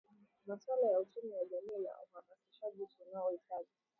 masuala ya uchumi wa jamii na uhamaishaji tunaohitaji